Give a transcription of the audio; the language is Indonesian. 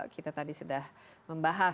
kita merasakan perkembangan